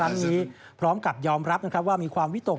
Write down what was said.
ในครั้งนี้พร้อมกับยอมรับว่ามีความวิตก